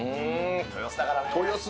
豊洲だからね。